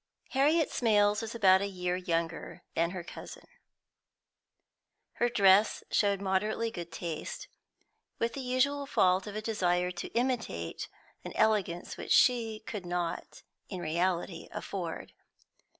Harriet Smales was about a year younger than her cousin. Her dress showed moderately good taste, with the usual fault of a desire to imitate an elegance which she could not in reality afford.